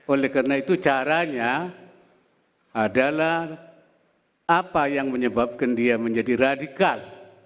oleh karena itu caranya adalah apa yang menyebabkan dia menjadi radikal